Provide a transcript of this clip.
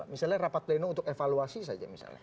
misalnya rapat pleno untuk evaluasi saja misalnya